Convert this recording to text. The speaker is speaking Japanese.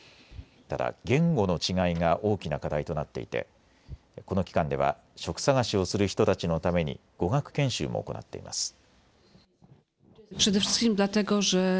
ただ言語の違いが大きな課題となっていて、この機関では職探しをする人たちのために語学研修も行っています。